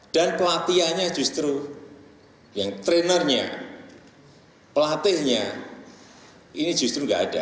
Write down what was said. dan pelatihnya justru yang trainernya pelatihnya ini justru enggak ada